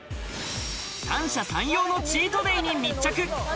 三者三様のチートデイに密着。